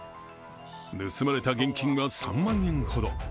盗まれた現金は３万円ほど。